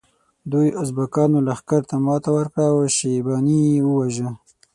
دوی ازبکانو لښکر ته ماته ورکړه او شیباني یې وواژه.